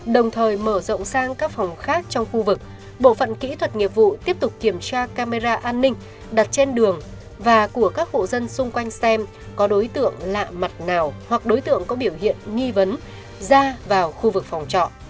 đồng thời mở rộng sang các phòng khác trong khu vực bộ phận kỹ thuật nghiệp vụ tiếp tục kiểm tra camera an ninh đặt trên đường và của các hộ dân xung quanh xem có đối tượng lạ mặt nào hoặc đối tượng có biểu hiện nghi vấn ra vào khu vực phòng trọ